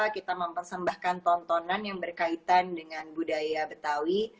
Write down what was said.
kita mempersembahkan tontonan yang berkaitan dengan budaya betawi